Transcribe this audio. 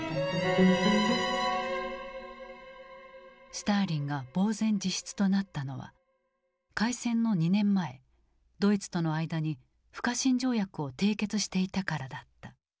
スターリンが茫然自失となったのは開戦の２年前ドイツとの間に不可侵条約を締結していたからだった。